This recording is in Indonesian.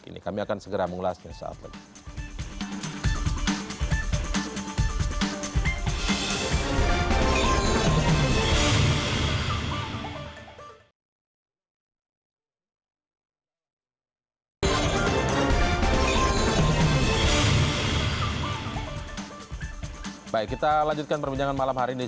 ini reklamasi ini bukan soal itu